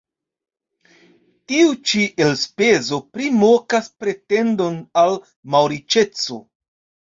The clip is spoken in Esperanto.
Tiu ĉi elspezo primokas pretendon al malriĉeco.